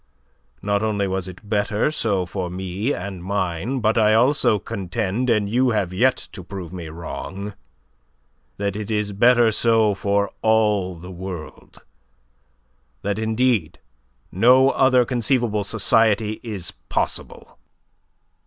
Not only was it better so for me and mine, but I also contend, and you have yet to prove me wrong, that it is better so for all the world; that, indeed, no other conceivable society is possible.